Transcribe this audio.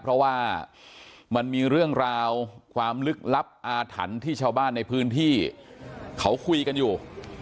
เพราะว่ามันมีเรื่องราวความลึกลับอาถรรพ์ที่ชาวบ้านในพื้นที่เขาคุยกันอยู่